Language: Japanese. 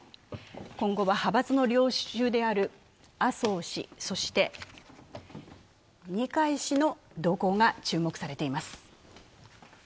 今後は派閥の領袖である麻生氏、そして二階氏の動向が注目されています。